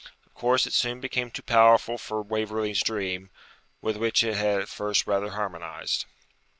Of course it soon became too powerful for Waverley's dream, with which it had at first rather harmonised.